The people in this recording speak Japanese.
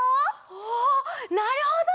おおなるほど！